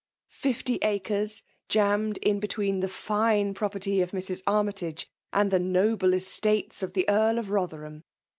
Fifty acres» jammed in between the fine property of Mra. Armytage and the noble estates of the Ead of Botherham.